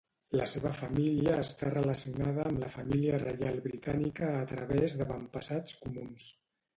La seva família està relacionada amb la família reial britànica a través d'avantpassats comuns.